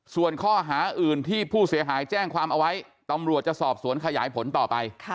ส่วนข้อหาอื่นที่ผู้เสียหายแจ้งความเอาไว้ตำรวจจะสอบสวนขยายผลต่อไป